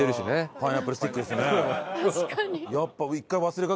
パイナップルスティックですよね？